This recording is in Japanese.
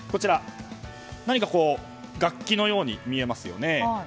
何か楽器のように見えますよね。